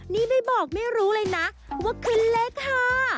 นี่ไม่บอกไม่รู้เลยนะว่าคืนเล็กค่ะ